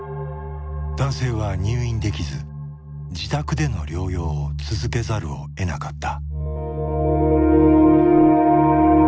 男性は入院できず自宅での療養を続けざるをえなかった。